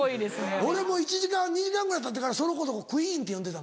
俺も１時間２時間ぐらいたってからその子のことクイーンって呼んでた。